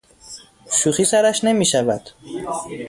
شوخی سرش نمیشود.